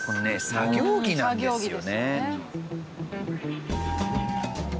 作業着ですよね。